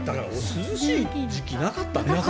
涼しい時期なかったね。